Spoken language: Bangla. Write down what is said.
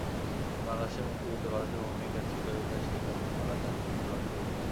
বাংলাদেশের মুক্তিযুদ্ধে ভারতের ভূমিকা ছিল এটা স্বীকার করা যেন একটি লজ্জার বিষয়।